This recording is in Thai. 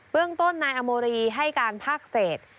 เรื่องต้นนายอโมรีให้การภาคเศษ